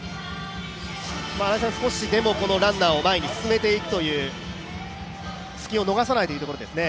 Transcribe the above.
新井さん、少しでもランナーを前に進めていくという隙を逃さないというところですね。